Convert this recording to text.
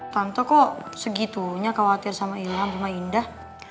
tante kok segitunya khawatir sama ilham cuma indah